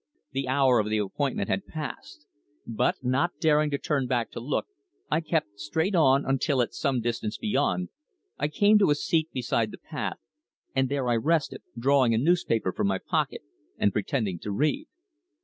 The hour of the appointment had passed, but, not daring to turn back to look, I kept straight on, until, at some distance beyond, I came to a seat beside the path and there I rested, drawing a newspaper from my pocket and pretending to read.